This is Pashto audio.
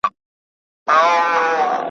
په دامنځ کي ورنیژدې یو سوداګر سو `